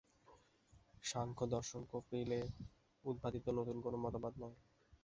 সাংখ্যদর্শন কপিলের উদ্ভাবিত নূতন কোন মতবাদ নয়।